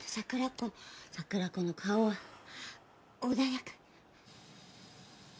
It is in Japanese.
子桜子の顔は穏やかで。